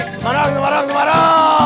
semarang semarang semarang